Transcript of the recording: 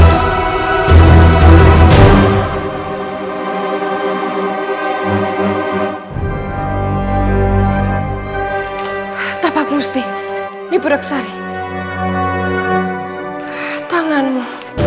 hai tapak musti dipudek sari tanganmu